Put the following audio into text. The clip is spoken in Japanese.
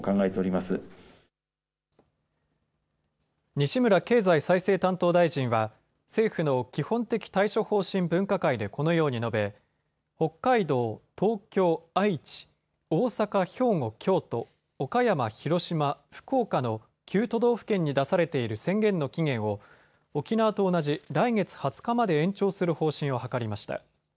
西村経済再生担当大臣は政府の基本的対処方針分科会でこのように述べ、北海道、東京、愛知、大阪、兵庫、京都、岡山、広島、福岡の９都道府県に出されている宣言の期限を沖縄と同じ来月２０日まで延長する方針を諮りました。